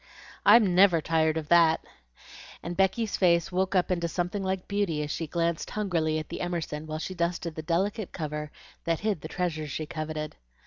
I'm never tired of that;" and Becky's face woke up into something like beauty as she glanced hungrily at the Emerson while she dusted the delicate cover that hid the treasures she coveted.